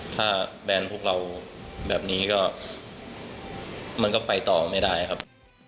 ถ้าแบนพวกเราแบบนี้ก็มันก็ไปต่อไม่ได้ครับ